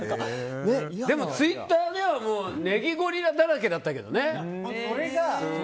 ツイッターはネギゴリラだらけだったけどね。